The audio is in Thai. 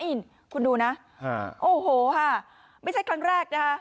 อินคุณดูนะโอ้โหค่ะไม่ใช่ครั้งแรกนะคะ